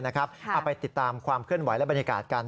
เอาไปติดตามความเคลื่อนไหวและบรรยากาศกัน